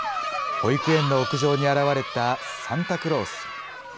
保育園の屋上に現れたサンタクロース。